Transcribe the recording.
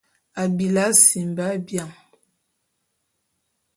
Abili asimba bian.